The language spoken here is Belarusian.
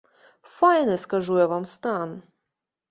Файны, скажу я вам, стан!